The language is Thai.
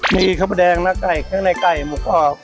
มีข้าวประแดงและไก่ข้างในไก่หมูกรอบ